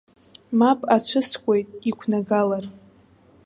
Мап ацәыскуеит, иқәнагалар.